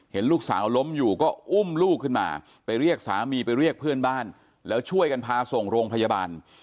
เห็นลูกสาวล้มอยู่ก็อุ้มลูกขึ้นมาไปเรียกสามีไปเรียกเพื่อนบ้านแล้วช่วยกันพาส่งโรงพยาบาล